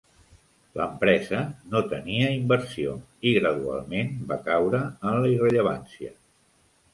L'empresa no tenia inversió i gradualment va caure en la irrellevància.